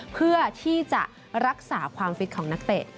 เพื่อที่จะรักษาความฟิตของนักเตะ